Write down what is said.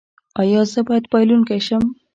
ایا زه باید بایلونکی شم؟